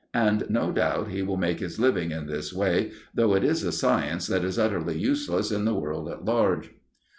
And no doubt he will make his living in this way, though it is a science that is utterly useless in the world at large.